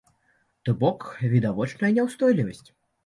То бок відавочная няўстойлівасць.